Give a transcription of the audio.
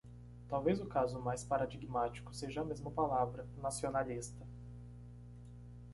Talvez o caso mais paradigmático seja a mesma palavra "nacionalista".